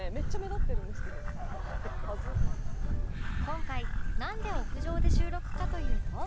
今回なんで屋上で収録かというと